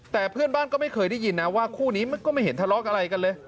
แต่เพื่อนบ้านก็ไม่เคยได้ยินนะว่าคู่นี้มันก็ไม่เห็นทะเลาะอะไรกันเลย